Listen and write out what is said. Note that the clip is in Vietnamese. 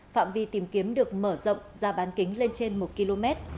phạm vi tìm kiếm được mở rộng ra bán kính lên trên một km